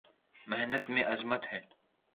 محنت میں عظمت ہے